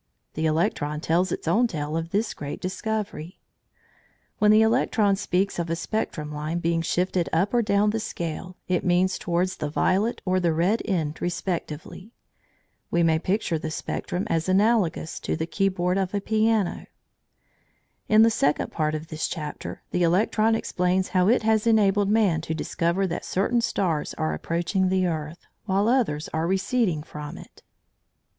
The electron tells its own tale of this great discovery. When the electron speaks of a spectrum line being shifted up or down the scale, it means towards the violet or the red end respectively. We may picture the spectrum as analogous to the keyboard of a piano. In the second part of this chapter, the electron explains how it has enabled man to discover that certain stars are approaching the earth, while others are receding from it.